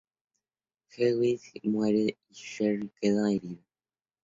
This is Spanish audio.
Hewitt muere y Sherry queda herida.